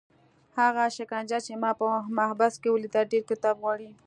هغه شکنجه چې ما په محبس کې ولیده ډېر کتاب غواړي.